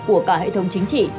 của cả hệ thống chính trị